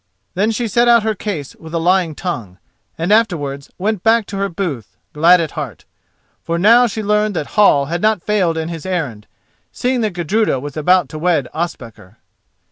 Then she set out her case with a lying tongue, and afterwards went back to her booth, glad at heart. For now she learned that Hall had not failed in his errand, seeing that Gudruda was about to wed Ospakar.